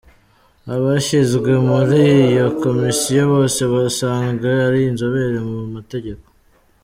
Abashyizwe muri iyo komisiyo bose basanzwe ari inzobere mu mategeko.